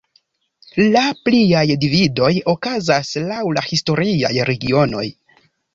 La pliaj dividoj okazas laŭ la historiaj regionoj.